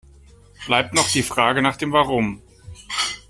Bleibt noch die Frage nach dem Warum.